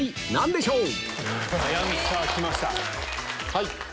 はい。